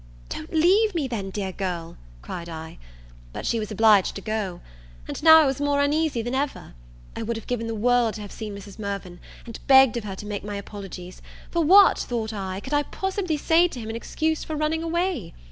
"Don't leave me then, dear girl!" cried I; but she was obliged to go. And now I was more uneasy than ever; I would have given the world to have seen Mrs. Mirvan, and begged of her to make my apologies; for what, thought I, can I possibly say to him in excuse for running away?